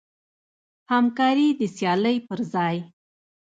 همکاري د سیالۍ پر ځای.